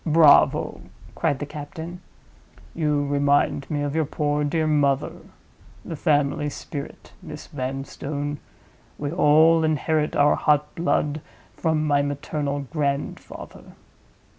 "Bravo!" cried the captain. "You remind me of your poor dear mother. The family spirit, Miss Vanstone. We all inherit our hot blood from my maternal grandfather."